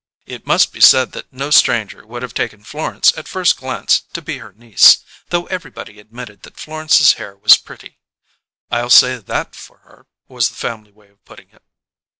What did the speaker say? It must be said that no stranger would have taken Florence at first glance to be her niece, though everybody admitted that Florence's hair was pretty. ("I'll say that for her," was the family way of putting it.).